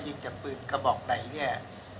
ยิงจากปืนกระบอกไหนเนี่ย